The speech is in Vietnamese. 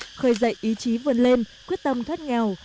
các chính sách của nhà nước khơi dậy ý chí vươn lên quyết tâm thoát nghèo